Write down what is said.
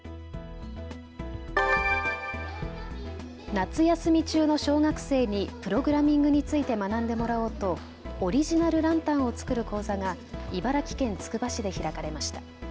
夏休み中の小学生にプログラミングについて学んでもらおうとオリジナルランタンを作る講座が茨城県つくば市で開かれました。